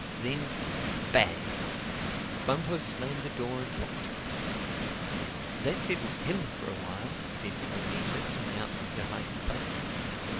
Then, bang! Bumpo slammed the door and locked it. "That settles him for a while," said Polynesia coming out from her hiding place.